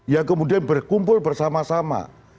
yang kemudian berkumpul bersama sama